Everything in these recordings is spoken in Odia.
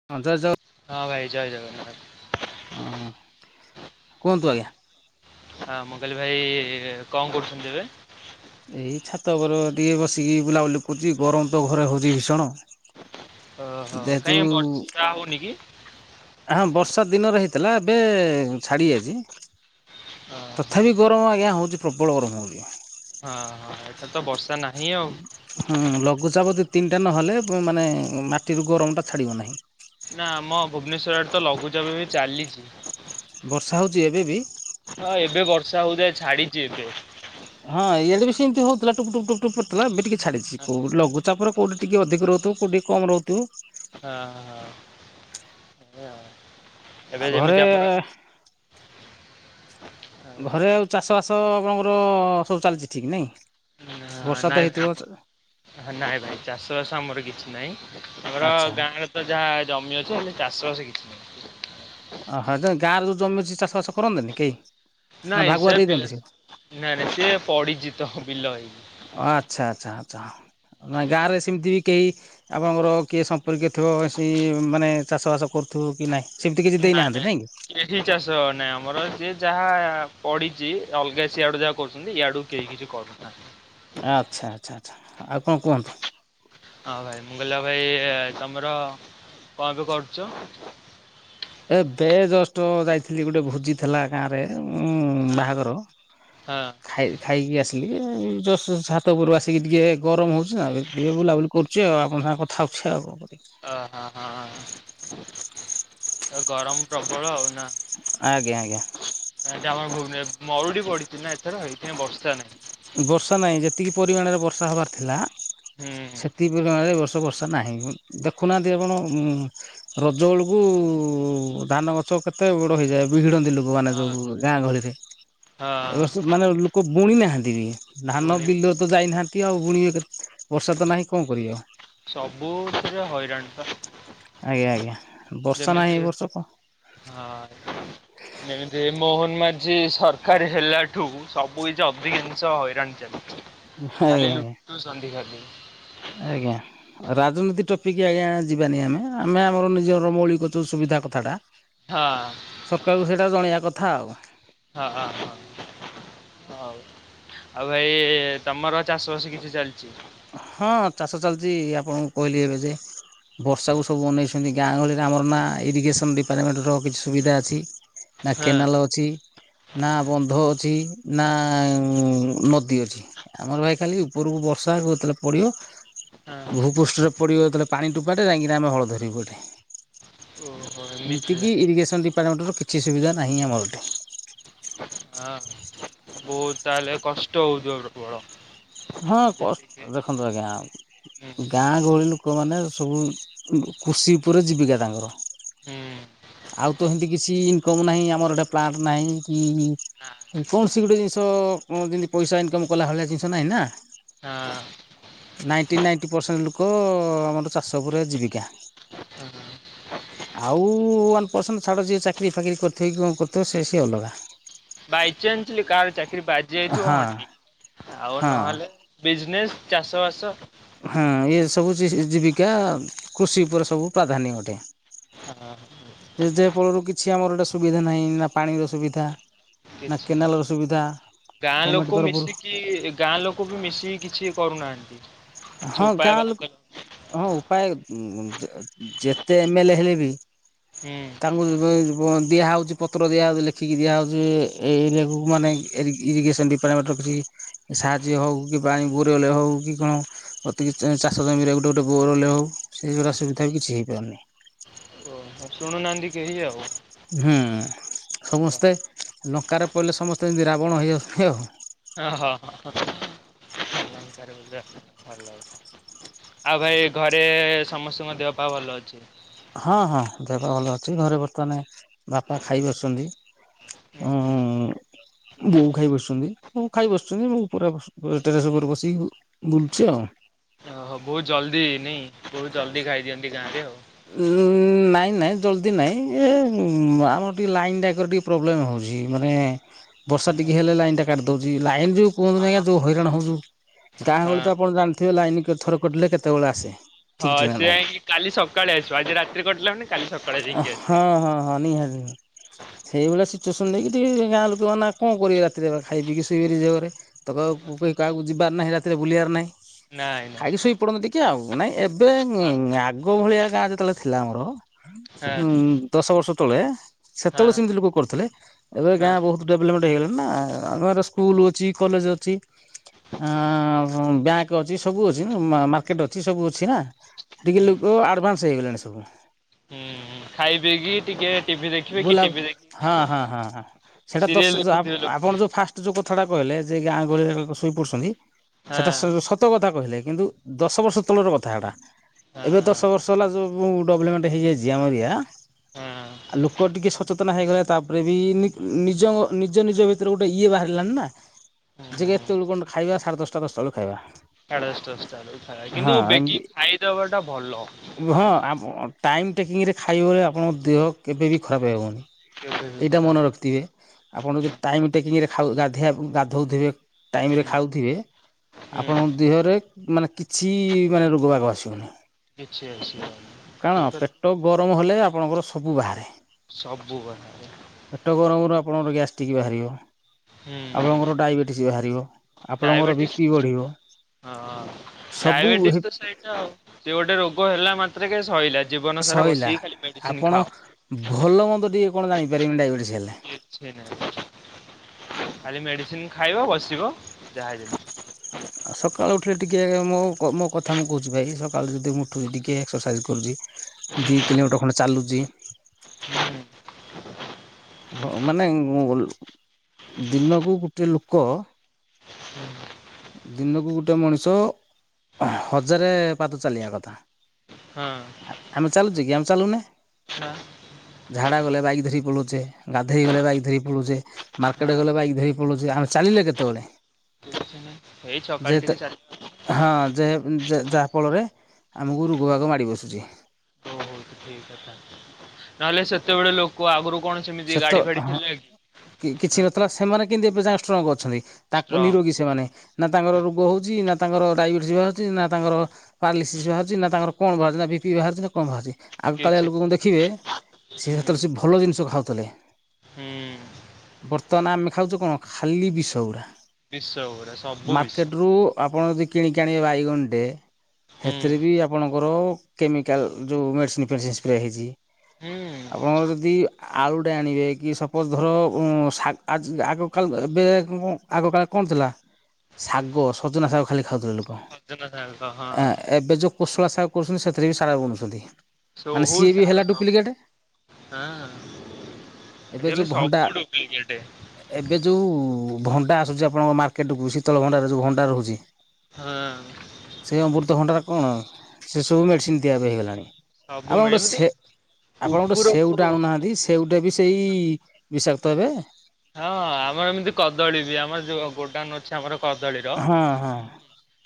ହ [unintelligible] ହଁ ଭାଇ ଜୟ ଜଗନ୍ନାଥ। ହଁ କୁହନ୍ତୁ ଆଜ୍ଞା। ହଁ ହଁ ମୁଁ କହିଲି ଭାଇ କଣ କରୁଛନ୍ତି ଏବେ? ଏଇ ଛାତ ଘର ଟିକେ ବସିକି ବୁଲାବୁଲି କରୁଛି ଗରମ ତ ଘରେ ହେଉଛି ଭୀଷଣ ଓହୋ ଯେହେତୁ କାଇହିଁ ବର୍ଷା ହଉନି କି? ହଁ ବର୍ଷା ଦିନରେ ହେଇଥିଲା ଏବେ ଛାଡି ଆଜି ଆ ଖାଲି ଗରମ ଆଜ୍ଞା ହେଉଛି ପ୍ରବଳ ଗରମ ହେଉଛି। ହଁ ହଁ ଏଟା ତ ବର୍ଷା ନାହିଁ ଆଉ। ହୁଁ ଲଘୁଚାପ ଦି ତିନିଟା ନହେଲେ ମାନେ ମାଟିରୁ ଗରମଟା ଛାଡ଼ିବ ନାହିଁ। ନା ଆମ ଭୁବନେଶ୍ୱର ଆଡେ ତ ଲଘୁଚାପ ବି ଚାଲିଛି। ବର୍ଷା ହେଉଛି ଏବେ ବି? ହଁ ଏବେ ବର୍ଷା ହଉଥାଏ ଛାଡିଛି ଏବେ। ହଁ ଇଆଡେ ବି ସେମିତି ହଉଥିଲା ଟୁପୁ ଟୁପ ଟୁପୁ ପଡୁଥିଲା ଏବେ ଟିକେ ଛାଡିଛି ହଁ କୋଉ ଲଘୁଚାପରେ କୋଉଠି ଟିକେ ଅଧିକ ରହୁଥିବ କୋଉଠି ଟିକେ କମ ରହୁଥିବ। ହଁ ହଁ [unintelligible] ଆଉ ଘରେ ଘରେ ଆଉ ଚାଷ ବାସ ଆପଣଙ୍କର ସବୁ ଚାଲିଛି ଠିକ୍ ନାଇଁ? ବର୍ଷା ତ ନାଇଁ ହେଇଥିବ ଚ ଭାଇ ନାଇଁ ଭାଇ ଚାଷ ବାସ ଆମର କିଛି ନାଇ ଆମର ଆଚ୍ଛା ଗାଁର ତ ଯାହା ଜମି ଅଛି ହେଲେ ଚାଷବାସ କିଛି ନାଇ। ଅହ ଗାଁରେ ଯୁ ଜମି ଅଛି ଚାଷ ବାସ କରନ୍ତିନି କେହି? ନା ନାଇଁ ଭାଗୁଆ ସେ ଦେଇ ଦିଅନ୍ତି ପିଏ ନାଇଁ ନାଇଁ ସେ ପଡିଚି ତ ବିଲ ହେଇକି। ଆଚ୍ଛା ଆଚ୍ଛା ଆଚ୍ଛା ନାଇ ଗାଁ ରେ ସେମିତି ବି କେହି ଆପଣଙ୍କର କିଏ ସମ୍ପର୍କୀୟ ଥିବ ସି ମାନେ ଚାଷବାସ କରୁଥିବ କି ନାଇ ସି କି ନାଇଁ ନାଇଁ କେହି ଚାଷ ନାଇଁ ଆମର ସେଏ ଯାହା ପଡିଛି ଅଲଗା ସିଆଡୁ ଯାହା କରୁଛନ୍ତି ଇଆଡୁ କେହି କିଛି କରୁନାହିଁ। ଆଚ୍ଛା ଆଚ୍ଛା ଆଚ୍ଛା ଆଉ କ କୁହନ୍ତୁ? ହଁ ଭାଇ ମୁଁ ଗଲ ଭାଇ ତମର କ ଏବେ କରୁଛ? ଏ ବେ ଜଷ୍ଟ ଯାଇଥିଲି ଗୁଟେ ଭୁଜି ଥିଲା। ଗାଁରେ ଉଁ ହଁ ବାହାଘର ହଁ ଖାଇ ଖାଇକି ଆସିଲି ଜଷ୍ଟ ଛାତ ଉପରୁକୁ ଆସିକି ଟିକିଏ ଗରମ ହଉଛି ନା ଟିକେ ବୁଲାବୁଲି କରୁ ଚି ଆଉ ଆପଣଙ୍କ ସାଙ୍ଗେ କଥା ହଉଛି ଆଉ କଣ କରିବି। ଆ ହା ହା ଗରମ ପ୍ରବଳ ଆଉ ଆଜ୍ଞା, ଆଜ୍ଞା। ଏଇଟା ଆମର ଭୁବେନେ ମଉଡି ପଡିଛି ନା ଏଥର ହେଇଥିା ପାଇଁ ବର୍ଷା ନାଇ। ବର୍ଷା ନାହିଁ, ଯେତିକି ପରିମାଣରେ ବର୍ଷା ହବାର ଥିଲା, ହୁଁ। ସେତିକି ପରିମାଣରେ ବର୍ଷା ତୁ ବର୍ଷା ନାହିଁ, ଦେଖୁନାହାନ୍ତି ଆପଣ ଉମ ରଜ ବେଳକୁ ଉ-ଧାନ ଗଛ କେତେ ବଡ ହେଇଯାଏ ବି ବିହିଡନ୍ତି ଲୁ ଭଗବାନ ହଁ ଯୋଉ ଗାଁ ଗହଳିରେ ହଁ ଏବର୍ଷ ମାନେ ଲୁକ ବୁଣି ନାହାନ୍ତି ବି। ଧାନ ପୁଣି ବିଲ ତ ଯାଇନାହାନ୍ତି ଆଉ ବୁଣିବେ କେ ବର୍ଷା ତ ନାହିଁ କଣ କରିବେ ଆଉ। ସବୁଥିରେ ହଇରାଣ ବା। ଆଜ୍ଞା ଆଜ୍ଞା, ବର୍ଷା ନାହିଁ ଏ ବର୍ଷ କ ହଁ ଯେମିତି ମୋହନ ମାଝ ଝି ସରକାର ହେଲାଠୁ ସବୁ କିଛି ଅଧିକାଂଷ ହଇରାଣ ଚାଲିଛି। ଆଜ୍ଞା ଖାଲି ଆଜ୍ଞା ଲୁୁଟୁସନ୍ତି ଖାଲି। ଆଜ୍ଞା। ରାଜନୀତି ଟପିକି ଆଜ୍ଞା ଯିବାନି ଆମେ ଆମେ ଆମର ନିଜର ମୌଳିକ ଯୋଉ ସୁବିଧା କଥାଟା ହଁ ସରକାରକୁ ସେଇଟା ଜଣେଇବା କଥା ଆଉ। ହଁ ହଁ ହଁ। ହଉ, ଆଉ ଭାଇ ତମର ଚାଷ ବାସ କିଛି ଚାଲିଚି? ହଁ ଚାଷ ଚାଲଛି ଆପଣଙ୍କୁ କହିଲି ଏବେ ଯେ ବର୍ଷାକୁୁ ସବୁ ଅନେଇସ ଯେମିତି ଗାଁ ଗହଳିରେ ଆମର ନା ଇରିଗେସନ ଡିପାର୍ଟମେଣ୍ଟର କିଛି ସୁବିଧା ଅଛି। ନା ହଁ କେନାଲ ଅଛି। ନା ବନ୍ଧ ଅଛି, ନା ନଦୀ ଅଛି। ଆମର ଭାଇ ଖାଲି ଉପରକୁ ବର୍ଷା ଯେତେବେଳେ ପଡ଼ିବ ହଁ ଭୂପୃଷ୍ଠରେ ପଡିବ ଯେତେବେଳେ ପାଣି ଟୋପାଟେ ଯାଇଁ କି ଆମେ ହଳ ଧରିବୁ ଏଠି। ଓହୋ ଏମିତି ଏମିତିକି ଇରିଗେସନ୍ ଡିପାର୍ଟମେଣ୍ଟର କିଛି ସୁବିଧା ନାହିଁ ଆମର ଏଠି। ହଁ ହଁ, ବହୁତ ତାହେଲେ କଷ୍ଟ ହୋଉଥିବ ପ୍ରବଳ। ହଁ କ ଯେତିକି ଦେଖନ୍ତୁ ଆଜ୍ଞା ହୁଁ ଗାଁ ଗହଳି ଲୋକମାନେ ସବୁ କୃଷି ଉପରେ ଜୀବିକା ତାଙ୍କର। ହୁଁ ଆଉ ତ ଏମିତି କିଛି ଇନ୍‌କମ ନାହିଁ ଆମର ଗୋଟେ ପ୍ଳାଣ୍ଟ ନାହିଁ କି କୌଣସି ଗୋଟେ ଜିନିଷ ଯେମିତି ପଇସା ଇନକମ୍ କଲା ଭଳିଆ ଜିନିଷ ନାହିଁ ନା। ହଁ। ନାଇଣ୍ଟି ନାଇଣ୍ଟି ପରସେଣ୍ଟ ଲୋକ ଆମର ଚାଷ ଉପରେ ଜୀବିକା। ଆଉ ୱାନ୍ ପରର୍ସେଣ୍ଟ ଛାଡ଼ ଯିଏ ଚାକିରି ଫାକିରି କରିଥିବ କି କଣ କରିଥିବେ ସେ ସିଏ ଅଲଗା। ବାଇଚନ୍ସଲି କାହାର ଚାକିରି ବାଜି ଯାଇଥିବ ହଁ ଠିକ୍ ଆଉ ହଁ ନହେଲେ ବିଜନେସ୍ ଚାଷ ବାସ ହଁ ଏ ସବୁ ଜୀବିକା କୃଷି ଉପରେ ସବୁ ପ୍ରାଧାନ୍ୟ ଅଟେ। ହଁ। ଯେ ଫଳରୁ କିଛି ଆମର ଗୋଟେ ସୁବିଧା ନାହିଁ ନା ପାଣିର ସୁବିଧା। ନା କିଛି ନାହିଁ। କେନାଲ ର ସୁବିଧା, ଗଭର୍ମେଣ୍ଟ ତରଫରୁ କି ଗାଁ ଲୋକ ବି ମିଶିକି କିଛି କରୁନାହାନ୍ତି। କିଛି ହଁ ଉପାୟ ଗାଁ ବାହାର କଲେ ଲୋକ ହଁ ଉପାୟ ଯେତେ ଏମ ଏଲ ଏ ହେଲେ ବି ହୁଁ। ତାଙ୍କୁ [unintelligible] ଦିଆହେଉଛି ପତ୍ର ଦିଆହେଉଛି ଲେଖିକି ଦିଆହେଉଛି [inaudible] ଏରିଆକୁ ମାନେ ଇରିଗେସନ୍ ଡି ପା ବାଟ କିଛି ସାହାଯ୍ୟ ହଉ କି ପାଣି ଗୋରେଲେ ହଉ କି କଣ ଅତିକି ଚାଷ ଜମିରେ ଗୋଟେ ଗୋଟେ ବୋରେଲ ହୋଉ ସେ ଯୋଉ ସୁବିଧା ବି କିଛି ହେଇପାରୁ ନେହିଁ। ଆଉ ସୁଣୁ ନାହାନ୍ତି କେହି ଆଉ। ହୁଁ ସମସ୍ତେ ଲଙ୍କାରେ ପଡ଼ିଲେ ସମସ୍ତେ ଏମିତି ରାବଣ ହେଇ [unintelligible] ହଁ ହଁ [unintelligible] ଆଉ ଭାଇ ଘରେ ସମସ୍ତଙ୍କ ଦେହ ପା ଭଲ ଅଛି? ହଁ ହଁ ଦେହ ଭଲ ଅଛି ଘରେ ବର୍ତ୍ତମାନ ବାପା ଖାଇ ବସୁଛନ୍ତି। ହୁଁ ହଁ। ବୋଉ ଖାଇ ବସିଛନ୍ତି ବୋଉ ଖାଇ ବସଛନ୍ତି ବୋ ପୁରା ଟେସ୍ ଉପରେ ବସିକି ବୁଲୁଚି ଆଉ। ଓହୋ ବହୁତ ଜଲ୍ଦି ନାଇଁ ବହୁତ ଜଲ୍ଦି ଖାଇଦିଅନ୍ତି ଗାଁରେ ଆଉ। ହୁଁ। ନାଇଁ ନାଇଁ ଜଲ୍ଦି ନାହିଁ ଏ ଆମର ଟିକେ ଲାଇନ୍ ଟା ଟିକ ର ପ୍ରୋବ୍ଲେମ୍ ହେଉଛି ମାନେ ବର୍ଷା ଟିକେ ହେଲେ ଲାଇନ କାଟିଦେଉଚି ଲାଇନ୍ ଯୋଉ କୁହନ୍ତୁ ନା ଆଜ୍ଞା ହଁ ଯଉ ହଇରାଣ ହୋଉଚୁ ଗାଁ ହଁ ଗହଳିରେ ତ ଆପଣ ଜାଣିଥିବେ ଲାଇନ ଥର କଟିଲେ କେତେବେଳେ ଆସେ। ଠିକ୍ ହଁ ଠିକଣା ସି ନାହିଁ। ଯାଇକି କାଲି ସକାଳେ ଆସିବ, ଆଜି ରାତିରେ କଟିଲା ମାନେ କାଲି ସକାଳେ ଯାଇକି ଆସିବେ। ହଁ ହଁ ହଁ ନିହାତି। ସେଇଭଳିଆ ସିଚୁଏସନ୍ ଦେଇକି ଟିକେ ଗାଁ ଲୋକମାନେ କଣ କରିବେ ରାତିରେ ଖାଇ ପିଇକି କଣ କରିବେ ଶୋଇବେ ନିଜ ଘରେ। ତକୁ କେ କାହାକୁ ଯିବାର ନାହିଁ ରାତିରେ, ବୁଲିବାର ନାହିଁ। ନାଇଁ ନାଇଁ ଖାଇକି ଶୋଇ ପଡନ୍ତି ଟିକେ ଆଉ। ନାଇଁ ଏବେ ହଁ ଆଗ ଭଳିଆ ଯେତେବେଳେ ଥିଲା ଆମର। ଉଁ ହଁ ଦଶ ବର୍ଷ ତଳେ, ହଁ ସେତେବେଳେ ସେମିତି ଲୋକ କରୁଥିଲେ। ଏବେ ଗାଁ ହଁ। ବହୁତ ଡେଭଲମେଣ୍ଟ ହେଇଗଲା ନା ଆ ସ୍କୁଲ ଅଛି, କଲେଜ ଅଛି। ଆ ବ୍ୟାଙ୍କ ଅଛି। ସବୁ ଅଛି ମାର୍କେଟ ଅଛି ସବୁ ଅଛି ନା। ସେ ଟିକେ ଲୋକ ଆଡଭାନ୍ସ ହେଇଗଲାଣି ସବୁ। ହୁଁଉଁ। ଖାଇ ଦେଇ କି ଟିକେ ଟିଭି ଦେଖିବେ, କି ବୁଲା ଟିଭି ଦେଖି ହଁ ହଁ ହଁ ହଁ। ସେଇଟା ଦଶ ସିରିଏଲ ଦେଖୁଥିବେ ଲୋକ ଆପଣ ଯୋଉ ଫାଷ୍ଟ ଯୋଉ କଥାଟା କହିଲେ ଯେ ଗାଁ ଗହଳିରେ ଶୋଇ ପଡୁଛନ୍ତି। ହଁ ସେଟା କଥା କହିଲେ କିନ୍ତୁ ଦଶ ବର୍ଷ ତଳର କଥାଟା। ହଁ ଏବେ ଦଶ ବର୍ଷ ସବୁଡବ୍ଲେମେଟ ହେଇଯାଇଛି ଆମର ଏରିଆ ହଁ। ଆଉ ଲୋକ ଟିକେ ସଚେତନ ହେଇଗଲେ। ତାପରେ ବି ନିଜ ନିଜ ନିଜ ଭିତରେ ଗୋଟେ ଇଏ ବାହାରିଲାନି ନା। ଯେ ସାଢେ ଏତେବେଳ କ ଖାଇବା? ସାଢେ ଦଶଟ ଦଶା ବେକୁ ଖାଇବା। ସାଢ଼େ ଦଶ ଦଶଟା ବେଳକୁ ଖାଇବା। କିନ୍ତୁ ହଁ ବେଗି ଏମିତି ଖାଇଦବା ଟା ଭଲ। ହଁ। ଟାଇମ ଟେକିଂରେ ଖାଇବ ବଳେ ଆପଣଙ୍କ ଦେହ କେବେବି ଖରାପ ହେବନି। କେବେ ବି ଏଇଟା ଖରାପ ମନେ ରଖିଥିବେ। ଆପଣ ଯଦି ଟାଇ ଟେକିଂରେ ଗାଧିଆ ଗାଧଉଥିବେ, ଟାଇମ ରେ ହୁଁ ଖାଉଥିବେ, ହୁଁ ଆପଣଙ୍କ ଦେହରେ ମାନେ କିଛି ମାନେ ରୋଗ ବାଗ ଆସିବନି। କିଛି ଆସିବନି। କାରଣ ଠିକ ପେଟ ଗରମ ହେଲେ ଆପଣଙ୍କର ସବୁ ବାହାରେ। ସବୁ ବାହାରେ। ପେଟ ଗରମରୁ ଆପଣଙ୍କର ଗ୍ୟାସ୍ ଟିକ ବାହାରିବ। ହୁଁ ଆପଣଙ୍କର ଡାଇବେଟିସ୍ ବାହାରିବ। ଆପଣଙ୍କର ବି ଡାଇବେଟିସ୍ ପି ବଢିବ। ହଁ। ଡାଇବେଟିସ୍ ତ ସେଇଟା ଆଉ। ସେ ଗୋଟେ ରୋଗ ହେଲା ମାତ୍ର କେ ସରଲା। ଜୀବନ ସାରା ସଇଲା ବସିକି ଖାଲି ମେଡିସିନ ଆପଣ ଖାଅ। ଭଲ ମନ୍ଦ ଟିକେ କଣ ଜାଣିପାରିବେନି ଡାଇବେଟିସ୍ ହେଲେ? କିଛି ନାହିଁ। ଖାଲି ମେଡ଼ିସିନ ଖାଇବ, ବସିବ ଯାହା ଯେ। ଆଉ ସକାଳୁ ଉଠିଲେ ଟିକେ, ମୋ ମୋ କଥା ମୁଁ କହୁଛି ଭାଇ। ସକାଳୁ ଯଦି ମୁଁ ଉଠୁଛି ଟିକିଏ ଏକ୍ସରସାଇଜ୍ କରୁଛି। ହୁଁ ଦିଇ କିଲୋମିଟର ଖଣ୍ଡେ ଚାଲୁଛି। ମାନେ ଦିନକୁ ଗୋଟେ ଲୋକ ଦିନକୁ ଗୋଟେ ମଣିଷ ହଜାରେ ପାଦ ଚାଲିବା କଥା। ହଁ। ଆ ଆମେ ଚାଲୁଚି କି? ଆମେ ଚାଲୁନେ। [unintelligible] ଝାଡ଼ା ଗଲେ ବାଇକ୍ ଧରି ପଳୁଚେ। ଗାଧୋଇ ହଁ ଗଲେ ବାଇକ୍ ଧରି ପଳୁଚେ। ମାର୍କେଟ ହଁ ଗଲେ ବାଇକ ଧରି ପଳଉଚେ। ଆମେ ଚାଲିଲେ କେତେବେଳେ? ଏଇ ଯେ ଛକାଳେ ଟିକେ ଚାଲିଲେ ହଁ। ଯେ ଯାହାଫଳରେ ଆମକୁ ରୋଗ ବାଗ ମାଡ଼ି ବସୁଚି। ସେଇ କଥା। ନହେଲେ ସେତେବେଳେ ଲୋକ ଆଗରୁ କଣ ସେମିତି ଗାଡି ଫାଡି ଥିଲା କି? କି କିଛି ନଥିଲା। ସେମାନେ କେନ୍ତି ଏବେ ଯାଏଁ ଷ୍ଟ୍ରଙ୍ଗ ଅଛନ୍ତି। ତାକୁ ନିରୋଗୀ ଷ୍ଟ୍ରଙ୍ଗ ସେମାନେ। ନା ତାଙ୍କର ରୋଗ ହଉଚି, ନା ତାଙ୍କର ଡାଇବେଟିସ୍ ବହାଚି, ନା ତାଙ୍କର ପାର୍ଲଲିସିସ୍ ବାହାରୁଛି, ନା ତାର କଣ ବାହାରୁଚି, ନା ବି ପି ବାହାରୁଚି ନା କଣ ବାହାରୁଚି? ଆଗ କାଳିଆ କିଛି ଲୋକଙ୍କୁ ଦେଖିବେ ସେ ହୁଁ ସେତେବେଳେ ସେ ଭଲ ଜିନିଷ ଖାଉଥିଲେ। ହୁଁ। ବର୍ତ୍ତମାନ ଆମେ ଖାଉଚୁ କଣ ଖାଲି ବିଷ ଗୁଡା। ବିଷ ଗୁରା ସବୁ ବିଷ ମାର୍କେଟ ରୁ ଆପଣ ଯଦି କିଣିକି ଆଣିବେ ବାଇଗଣ ଟେ ହୁଁ ସେଥିରେ ବି ଆପଣଙ୍କର କେମିକାଲ ଯୋଉ ମେଡିସିନ୍ ଫେଡିସିନ୍ ସ୍ପ୍ରେ ହେଇଚି। ହୁଁ ଆପଣଙ୍କ ଯଦି ଆଳୁ ଟେ ଆଣିବେ କି ସପୋଜ ଧର ଉଁ- ଶାଗ୍ ଆଜ୍ ଯେ ଆଗ କାଳ ର ଏବେ [unintelligible] ଆଗକାଳେ କଣ ଥିଲା ଶାଗ ସଜନା ଶାଗ ଖାଲି ଖାଉଥିଲେ ଲୋ କହଁ ସଜନା ଶାଗ ଆ, ହଁ ଏବେ ଯୋଉ କୋଶଳା ଶାଗ କରୁଛନ୍ତି ସେଥିରେ ବି ସାର ବୁଣୁଛନ୍ତି। ମାନେ ସବୁ ସିଏ ବି ସାର ହେଲା ସବୁ ଡୁପ୍ଲିକେଟେ। ହଁ। ଏବେ ଯୋଉ ଭଣ୍ଡା ସବୁ ଡୁପ୍ଲିକେଟ ଏବେ ଯୋଉ ଉ, ଭଣ୍ଡା ଆସୁଛି ଆପଣଙ୍କ ମାର୍କେଟ୍ କୁ ଶୀତଳ ଭଣ୍ଡାରରେ ଯୋଉ ଭଣ୍ଡା ରହୁଚି। ହଁ ସେ ଅମୃତ ଭଣ୍ଡାର କଣ ସେ ସବୁ ମେଡିସିନ୍ ଦିଆ ବି ହେଇଗଲାଣି। ସବୁ ଆପଣ ମିଳେ ଗୋଟେ ଏମିତି ସେ ଆପଣ ଗୋଟେ ସେଉ କୁକୁରକୁ ଟେ ହଁ ଆଣୁନାହା ତି ସେଉ ଟା ବି ସେଇ ବିଷାକ୍ତ ଏବେ। ହଁ ଆମର ଏମିତି କଦଳୀ ବି ଆମର ଯୋଉ ଗୋଡାନ ଅଛି ଆମର କଦଳୀର। ହଁ ହଁ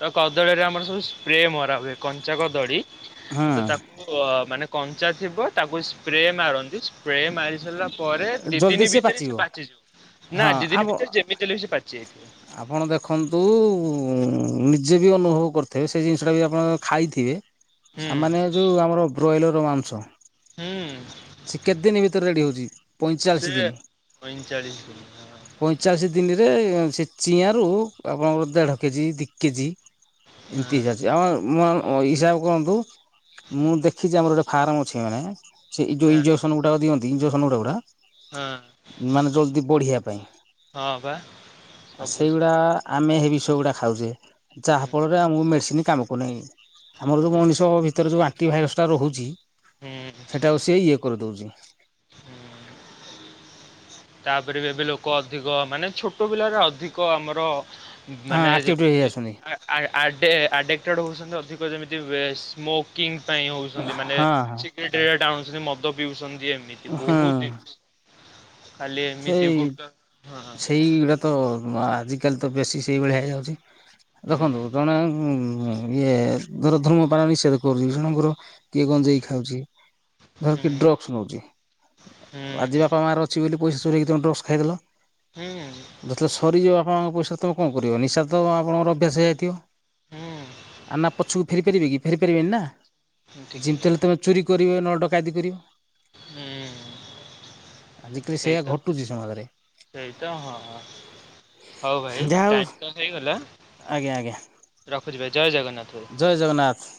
ତ କଦଳୀରେ ଆମର ସବୁ ସ୍ପ୍ରେ ମରା ହୁଏ କଞ୍ଚା କଦଳୀ ହଁ ତ ତାକୁ ଅ, ମାନେ କଞ୍ଚା ଥିବ ତାକୁ ସ୍ପ୍ରେ ମାରନ୍ତି, ସ୍ପ୍ରେ ମାରି ସାରିଲା ପରେ ଦି ଦିନ ଜଲ୍ଦି ସିଏ ଭିତରେ ସେ ପାଚିବ ନା ହଁ ଦି ଆମ ଦିନ ଭିତରେ ଯେମିତି ହେଲେ ସେ ପାଚି ଯାଇଥିବ। ଆପଣ ଦେଖନ୍ତୁ ଉ, ନିଜେ ବି ଅନୁଭବ କରିଥିବେ ସେ ଜିନିଷଟା ବି ଆପଣ ଖାଇଥିବେ। ହୁଁ ସାମାନ୍ୟ ଯୋଉ ଆମର ବ୍ରଏଲର ମାଂସ। ହୁଁ। ସେ କେତେ ଦିନ ଭିତରେ ରେଡି ହଉଚି ସେ ପଇଁଚାଳିଶ ଦିନି। ପଇଁଚାଳିଶ ଦିନ ପଇଁଚାଳିଶ ଦିନିରେ ସେ ଚିଆଁରୁ ଆପଣଙ୍କର ଦେଢ଼ କେଜି ଦି କେଜି। ଏମିତି ହଁ ହେଇଯାଉଛି ଆଉ ମୋ ଅ, ହିସାବ କରନ୍ତୁ ମୁଁ ଦେଖିଛି ଆମର ଗୋଟେ ଫାର୍ମ ଅଛି ମାନେ ସେ ଯୋଉ ହଁ ଇଞ୍ଜ ସନ ଗୁଟା ଦିଅନ୍ତି ଇଞ୍ଜକ୍ସନ୍ ଗୁଟା ଗୁଟା ହଁ ମାନେ ଜଲଦି ବଢିଆ ପାଇଁ। ହଁ ବା ଆ, ସବୁ ସେ ସେଇଗୁଡା ଆମେ ହେ ବିଷ ଗୁଡ଼ା ଖାଉଚେ, ଯାହା ଫଳରେ ଆମକୁ ମେଡ଼ିସିନି କାମ କରୁନାଇ। ଆମର ଯୋଉ ହୁଁ ମଣିଷ ଭିତରେ ଯୋଉ ଆଣ୍ଟି ଭାଇରସ ଟା ରହୁଛି। ହୁଁ। ସେଟାକୁ ସିଏ ଇଏ କରିଦଉଚି। ହୁଁ। ତାପରେ ବି ଏବେ ଲୋକ ଅଧିକ ମାନେ ଛୋଟ ପିଲା ଗୁରା ଅଧିକ ଆମର ହଁ ମାନେ ଆକ୍ଟିଭ ହେଇ ଯେମିତି ଆସୁନି ଆ-ଆ- ଆଡେ- ଆଡ଼ିକଟେଡ଼୍ ହଉଛନ୍ତି ଅଧିକ ଯେମିତି ବେଶ୍ ସ୍ମୋକ୍ କିଙ୍ଗ ପାଇଁ ହଉଛନ୍ତି ମାନେ ହଁ ହଁ ସିଗରେଟେ ଟାଣୁଛି ସେ ମଦ ପିଉଛନ୍ତି ଏମି ତି ହୁଁ। ବହୁତି [inaudible] ଖାଲି ଏମିତି ସେଇ ଗୁଟ ହଁ ହଁ ସେଇଗୁଡା ତ ମା- ଆଜିକାଲି ତ ବେଶୀ ସେଇଭଳିଆ ହେଇଯାଉଛି। ଦେଖନ୍ତୁ ଜଣେ ଉଁ, ଉଁ, ଇଏ ଧର ଧର୍ମ ପାଳ ନିଷେଧ କରୁଛି, ଜଣଙ୍କର କିଏ ଗଞ୍ଜେଇ ଖାଉଛି। ଧର ହୁଁ କିିଏ ଡ୍ରଗସ୍ ନଉଛି, ହୁଁ ଆଜି ବାପା ମା ର ଅଛି ବୋଲି ପଇସା ଚୁରେଇକି ତୋମେ ଡ୍ରଗସ୍ ଖାଇଦେଲ। ହୁଁ। ଯେତେବେଳେ ସରିଯିବ ବାପା ମାଙ୍କ ପଇସା ସେତେବେଳେ କଣ କରିବ? ନିଶା ତ ଆପଣଙ୍କର ଅଭ୍ୟାସ ହେଇଯାଇଥିବ। ହୁଁ ଆ, ନା ପଛକୁ ଫେରି ପାରିବେ କି ଫେରି ପାରିବେନି ନା। ହୁଁ ଠିକ୍ ଯେମିତି ହେଲେ ତୋମେ ଚୋରି କରିବେ ନହେଲେ ଡକାୟତି କରିବ। ହୁଁ। ଆଜିକାଲି ସେଇଆ ସେଇତ ଘଟୁଛି ସମାଜରେ ସେଇତ ହଁ ହଁ। ହଉ ଭାଇ ଯାହା ହଉ ଟାଇମ ତ ହେଇଗଲା ଆଜ୍ଞା ଆଜ୍ଞା ରଖୁଛି ଭାଇ ଜୟ ଜଗନ୍ନାଥ ଭାଇ। ଜୟ ଜଗନ୍ନାଥ।